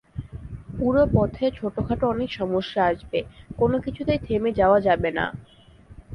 পুরো পথে ছোটখাটো অনেক সমস্যা আসবে, কোনো কিছুতেই থেমে যাওয়া যাবে না।